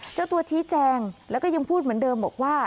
เจ้าตัวชี้แจงแล้วก็ยังพูดเหมือนเดิมบอกว่า